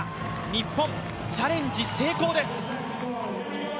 日本、チャレンジ成功です。